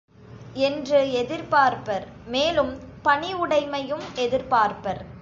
என்று எதிர்பார்ப்பர் மேலும் பணிவுடைமையும் எதிர்பார்ப்பர்.